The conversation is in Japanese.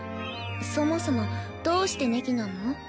そもそもどうしてネギなの？